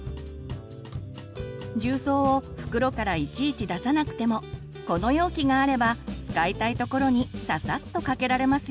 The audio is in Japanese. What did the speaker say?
重曹を袋からいちいち出さなくてもこの容器があれば使いたいところにささっとかけられますよ。